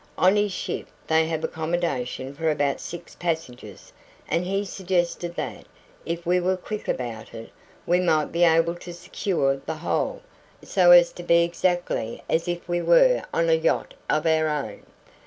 On his ship they have accommodation for about six passengers, and he suggested that, if we were quick about it, we might be able to secure the whole, so as to be exactly as if we were on a yacht of our own.